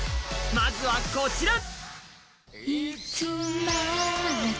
まずはこちら！